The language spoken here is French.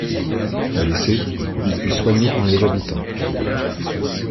Blessé, il fut soigné par les habitants.